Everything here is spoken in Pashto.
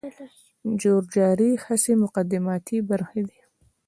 د جور جارې هڅې مقدماتي برخي دي.